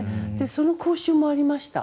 その講習もありました。